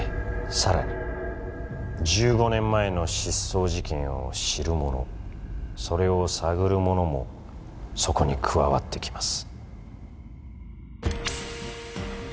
更に１５年前の失踪事件を知る者それを探る者もそこに加わってきます